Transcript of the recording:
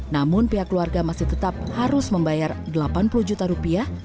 namun pihak keluarga masih tetap harus membayar delapan puluh juta rupiah